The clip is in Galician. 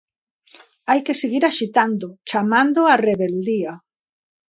Hai que seguir axitando, chamando á rebeldía.